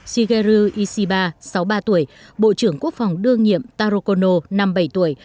shigeru ishiba sáu mươi ba tuổi bộ trưởng quốc phòng đương nhiệm taro kono năm mươi bảy tuổi